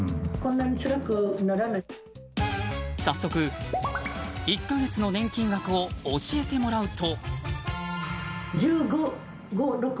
早速、１か月の年金額を教えてもらうと。